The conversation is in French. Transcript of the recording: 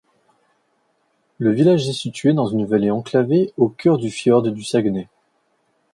Le village est situé dans une vallée enclavée au cœur du fjord du Saguenay.